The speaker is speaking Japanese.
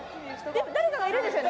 誰かがいるんですか？